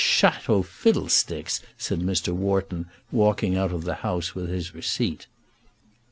"Château fiddlesticks!" said Mr. Wharton, walking out of the house with his receipt.